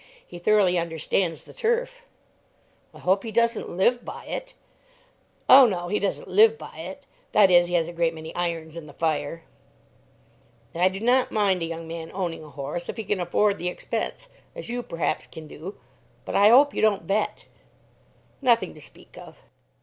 He thoroughly understands the turf." "I hope he doesn't live by it?" "Oh no; he doesn't live by it. That is, he has a great many irons in the fire." "I do not mind a young man owning a horse, if he can afford the expense, as you perhaps can do; but I hope you don't bet." "Nothing to speak of."